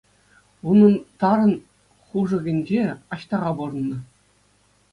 Унӑн тарӑн хушӑкӗнче Аҫтаха пурӑннӑ.